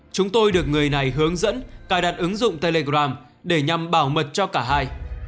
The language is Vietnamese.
chúng tôi được người này hướng dẫn cài đặt ứng dụng telegram để nhằm bảo mật cho cả hai